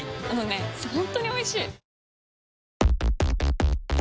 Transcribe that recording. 本当においしい！